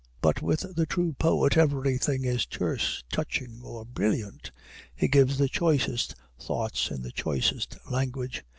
But with the true poet everything is terse, touching, or brilliant. He gives the choicest thoughts in the choicest language.